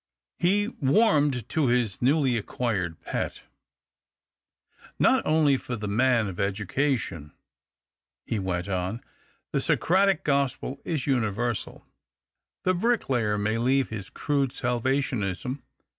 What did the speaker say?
He warmed to his newly acquired pet. " Not only for the man of education," he went on. " The Socratic gospel is universal. The bricklayer may leave his crude salva tionism.